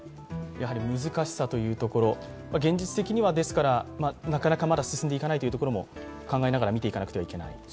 やはり難しさというところ、現実的にはなかなかまだ進んでいかないということも見ていかないといけない。